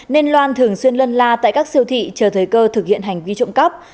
nên loan thường xuyên lân la tại các siêu thị chờ thời cơ thực hiện hành vi trộm cắp